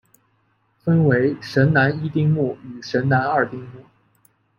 分为神南一丁目与神南二丁目。